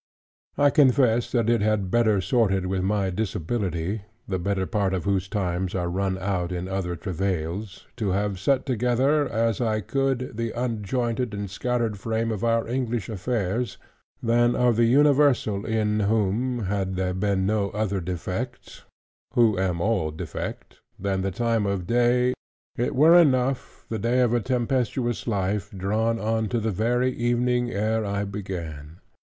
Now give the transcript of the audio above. I confess that it had better sorted with my disability, the better part of whose times are run out in other travails, to have set together (as I could) the unjointed and scattered frame of our English affairs, than of the universal in whom, had there been no other defect (who am all defect) than the time of the day, it were enough, the day of a tempestuous life, drawn on to the very evening ere I began.